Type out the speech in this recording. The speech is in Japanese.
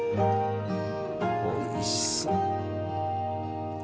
おいしそう。